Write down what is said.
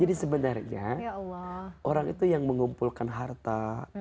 jadi sebenarnya orang itu yang mengumpulkan harta